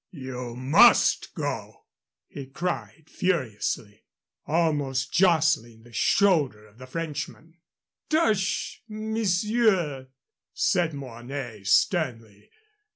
"You must go!" he cried, furiously, almost jostling the shoulder of the Frenchman. "Tush, monsieur!" said Mornay, sternly.